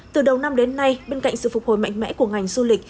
từ đầu năm đến nay bên cạnh sự phục hồi mạnh mẽ của ngành du lịch